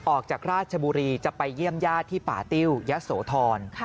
ออกจากราชบุรีจะไปเยี่ยมญาติที่ป่าติ้วยะโสธร